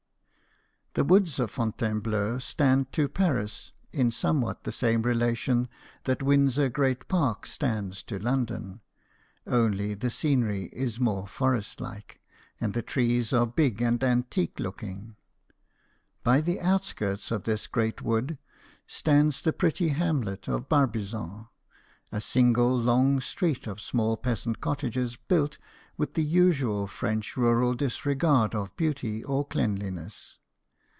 The woods of Fontainebleau stand to Paris in somewhat the same relation that Windsor Great Park stands to London ; only, the scenery is more forest like, and the trees are big and antique looking. By the outskirts of this great wood stands the pretty hamlet of Barbizon, a single long street of small peasant cottages, built witli the usual French rural disregard of beauty or cleanliness.